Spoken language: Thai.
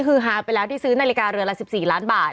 คือฮาไปแล้วที่ซื้อนาฬิกาเรือละ๑๔ล้านบาท